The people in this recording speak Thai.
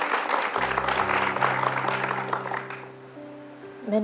แม่น้ำค้างครับช่วงที่มีน้องไนท์ใหม่เลยค่ะ